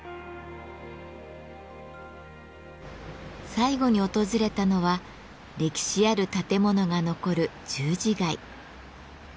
最後に訪れたのは歴史ある建物が残る十字街。